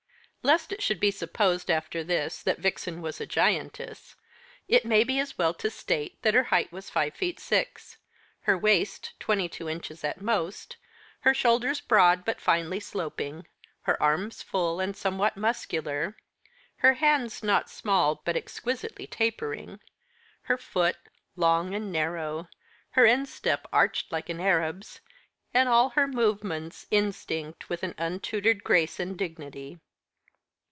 Lest it should be supposed, after this, that Vixen was a giantess, it may be as well to state that her height was five feet six, her waist twenty two inches at most, her shoulders broad but finely sloping, her arms full and somewhat muscular, her hands not small, but exquisitely tapering, her foot long and narrow, her instep arched like an Arab's, and all her movements instinct with an untutored grace and dignity.